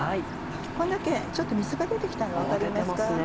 これだけちょっと水が出てきたの分かりますか？